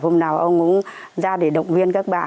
hôm nào ông cũng ra để động viên các bạn